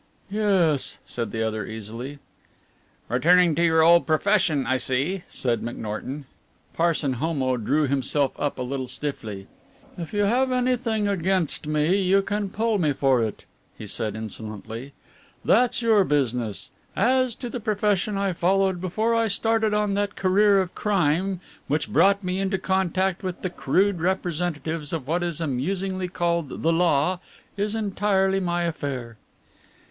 "Yes," said the other easily. "Returning to your old profession, I see," said McNorton. Parson Homo drew himself up a little stiffly. "If you have anything against me you can pull me for it," he said insolently: "that's your business. As to the profession I followed before I started on that career of crime which brought me into contact with the crude representatives of what is amusingly called 'the law,' is entirely my affair."